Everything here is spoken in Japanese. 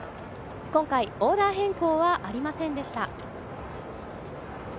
今回オーダー変更はありませんでした。